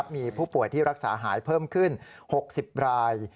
มีผู้ป่วยที่รักษาหายเพิ่มขึ้น๖๐ราย